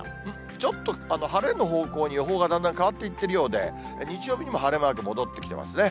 ちょっと晴れの方向に予報がだんだん変わっていっているようで、日曜日にも晴れマーク戻ってきてますね。